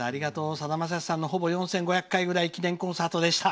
「さだまさしさんの「ほぼ４５００回ぐらい記念コンサート」でした。